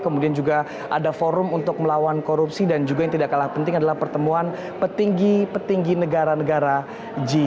kemudian juga ada forum untuk melawan korupsi dan juga yang tidak kalah penting adalah pertemuan petinggi petinggi negara negara g dua puluh